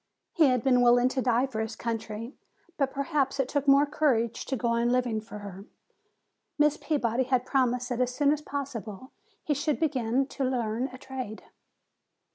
He had been willing to die for his country, but perhaps it took more courage to go on living for her. Miss Peabody had promised that as soon as possible he should begin to learn a trade.